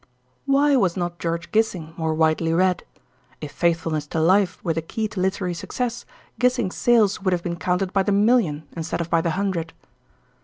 Why was not George Gissing more widely read? If faithfulness to life were the key to literary success, Gissing's sales would have been counted by the million instead of by the hundred.